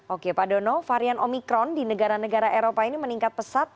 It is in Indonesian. oke pak dono varian omikron di negara negara eropa ini meningkat pesat